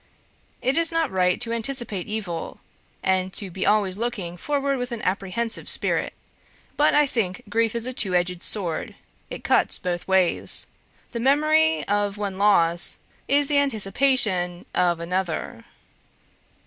It is not right to anticipate evil, and to be always looking forward with an apprehensive spirit; but I think grief is a two edged sword, it cuts both ways; the memory of one loss is the anticipation of another."